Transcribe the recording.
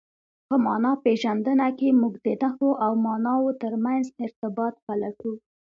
په مانا پېژندنه کښي موږ د نخښو او ماناوو ترمنځ ارتباط پلټو.